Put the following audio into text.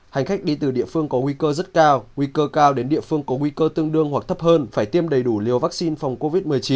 hành khách đi từ địa phương có nguy cơ rất cao nguy cơ cao đến địa phương có nguy cơ tương đương hoặc thấp hơn phải tiêm đầy đủ liều vaccine phòng covid một mươi chín